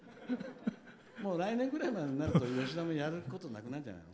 もう来年ぐらいになると吉田もやることなくなるんじゃないの？